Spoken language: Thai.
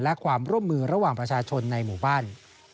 และความร่วมมือระหว่างประชาชนในหมู่บ้าน